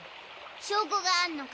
証拠があんのか？